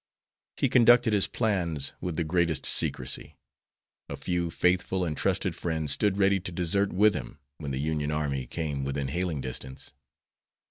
He conducted his plans with the greatest secrecy. A few faithful and trusted friends stood ready to desert with him when the Union army came within hailing distance.